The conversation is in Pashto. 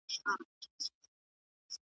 خولگۍ راکه شل کلنی پسرلی رانه تېرېږی.